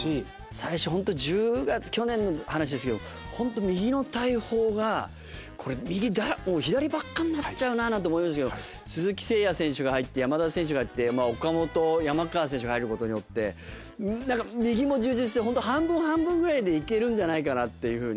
最初ホント１０月去年の話ですけどホント右の大砲がこれ左ばっかになっちゃうななんて思いましたけど鈴木誠也選手が入って山田選手が入って岡本山川選手が入る事によってなんか右も充実してホント半分半分ぐらいでいけるんじゃないかなっていうふうに。